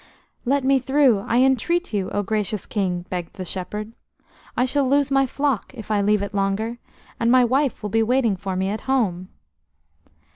"Let me through, I entreat you, O gracious King!" begged the shepherd. "I shall lose my flock if I leave it longer, and my wife will be waiting for me at home."